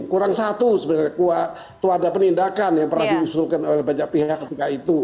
kurang satu sebenarnya itu ada penindakan yang pernah diusulkan oleh banyak pihak ketika itu